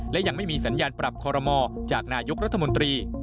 และยังไม่มีสัญญาณปรับคอรมอจากนายกรัฐมนตรี